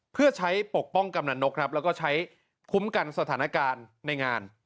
เพื่อใช้ปกป้องกำนันนกครับแล้วก็ใช้คุ้มกันสถานการณ์ในงาน